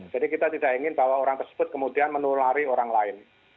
jadi kita tidak ingin bahwa orang tersebut kemudian menulari orang lain